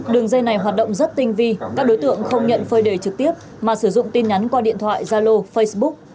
đường dây này hoạt động rất tinh vi các đối tượng không nhận phơi đề trực tiếp mà sử dụng tin nhắn qua điện thoại zalo facebook